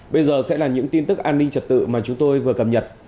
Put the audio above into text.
bây giờ sẽ là những tin tức an ninh trật tự mà chúng tôi vừa cập nhật